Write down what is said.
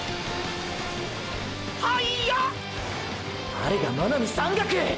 あれが真波山岳！！